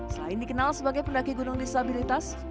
selain dikenal sebagai pendaki gunung disabilitas